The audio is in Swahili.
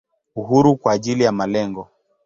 Uhuru kwa ajili ya malengo.